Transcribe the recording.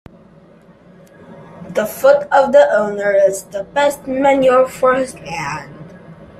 The foot of the owner is the best manure for his land.